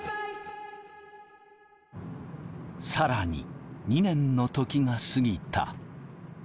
更に２年の時が過ぎた。